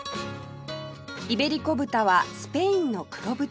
イベリコ豚はスペインの黒豚